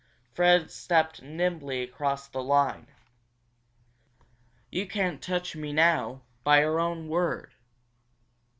Fred stepped nimbly across the line. "You can't touch me now, by your own word!"